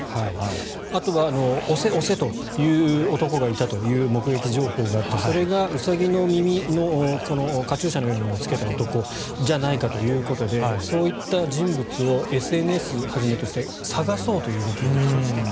あとは押せ、押せと言う男がいたという目撃情報があってそれがウサギの耳のカチューシャのようなものをつけた男じゃないかということでそういった人物をＳＮＳはじめとして探そうという動きが起きていると。